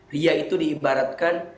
riya itu diibaratkan